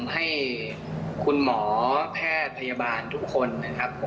ให้คุณหมอแพทย์พยาบาลทุกคนนะครับ